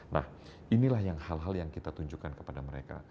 nah inilah yang hal hal yang kita tunjukkan kepada mereka